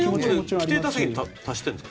これ、規定打数に達してるんですか？